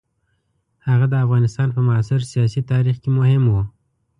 هغه د افغانستان په معاصر سیاسي تاریخ کې مهم وو.